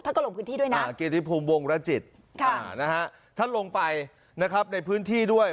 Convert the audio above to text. ท่านก็ลงพื้นที่ด้วยนะค่ะท่านลงไปนะครับในพื้นที่ด้วย